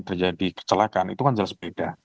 terjadi kecelakaan itu kan jelas beda